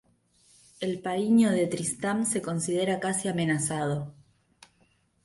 El paíño de Tristram se considera casi amenazado.